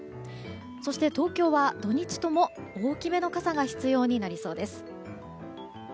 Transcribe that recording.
そして、東京は土日とも大き目の傘が必要になりそうです。